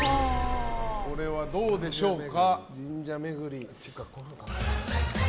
これはどうでしょうか。